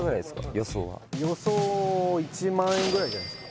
予想は予想１万円ぐらいじゃないっすか？